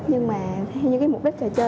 nhưng mà theo như cái mục đích trò chơi